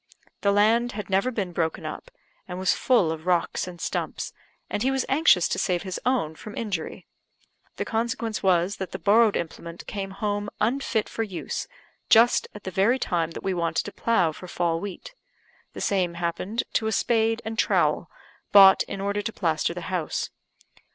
The land had never been broken up, and was full of rocks and stumps, and he was anxious to save his own from injury; the consequence was that the borrowed implement came home unfit for use, just at the very time that we wanted to plough for fall wheat. The same happened to a spade and trowel, bought in order to plaster the house.